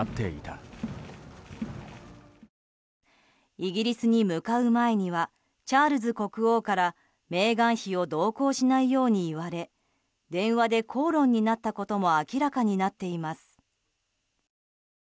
イギリスに向かう前にはチャールズ国王からメーガン妃を同行しないよう言われ電話で口論になったことも明らかになっています。